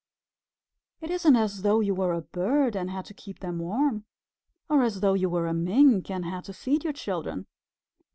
It isn't as though you were a bird and had to keep them warm, or as though you were a Mink and had to feed your children.